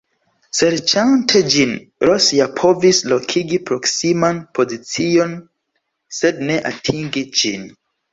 Serĉante ĝin, Ross ja povis lokigi proksiman pozicion, sed ne atingi ĝin.